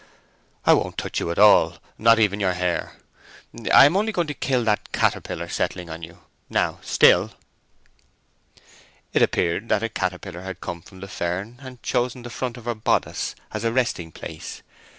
"I won't touch you at all—not even your hair. I am only going to kill that caterpillar settling on you. Now: still!" It appeared that a caterpillar had come from the fern and chosen the front of her bodice as his resting place.